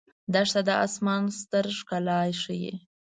دښته د آسمان ستر ښکلا ښيي.